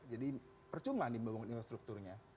jadi percuma nih memang infrastrukturnya